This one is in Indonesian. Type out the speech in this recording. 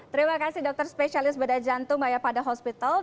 terima kasih dokter spesialis beda jantung maya fadha hospital